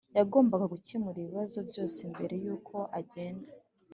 Yagombaga gukemura ibibazo byose mbere yuko ajyenda